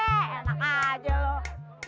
yang enak aja lu